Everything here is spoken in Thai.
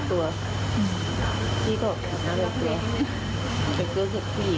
แล้วเนี่ยรักทุกอย่างก็อีกเนี่ย